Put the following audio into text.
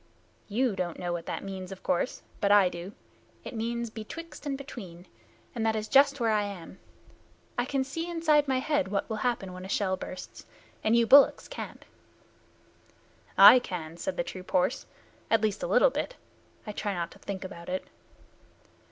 "You don't know what that means, of course, but I do. It means betwixt and between, and that is just where I am. I can see inside my head what will happen when a shell bursts, and you bullocks can't." "I can," said the troop horse. "At least a little bit. I try not to think about it."